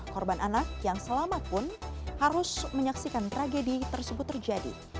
korban anak yang selamat pun harus menyaksikan tragedi tersebut terjadi